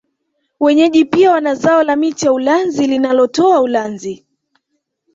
Wenyeji pia wanazao la miti ya ulanzi linalotoa ulanzi